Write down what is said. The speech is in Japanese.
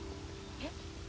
えっ。